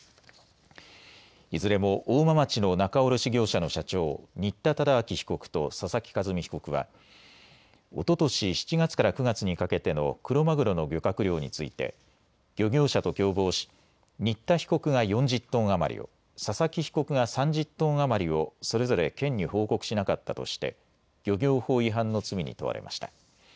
いずれも大間町の仲卸業者の社長、新田忠明被告と佐々木一美被告はおととし７月から９月にかけてのクロマグロの漁獲量について漁業者と共謀し新田被告が４０トン余りを佐々木被告が３０トン余りをそれぞれ県に報告しなかったとして漁業法違反の罪に問われました。